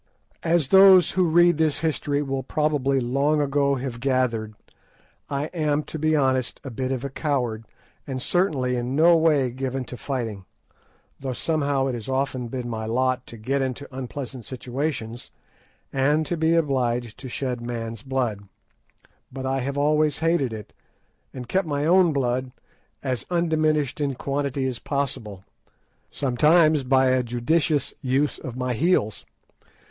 As those who read this history will probably long ago have gathered, I am, to be honest, a bit of a coward, and certainly in no way given to fighting, though somehow it has often been my lot to get into unpleasant positions, and to be obliged to shed man's blood. But I have always hated it, and kept my own blood as undiminished in quantity as possible, sometimes by a judicious use of my heels.